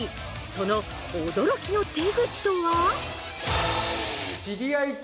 その驚きの手口とは？